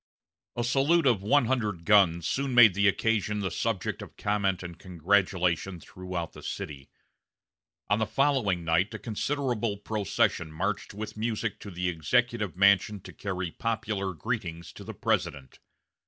A salute of one hundred guns soon made the occasion the subject of comment and congratulation throughout the city. On the following night a considerable procession marched with music to the Executive Mansion to carry popular greetings to the President.